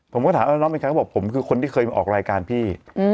ผมก็ถามว่าน้องเป็นใครเขาบอกผมคือคนที่เคยมาออกรายการพี่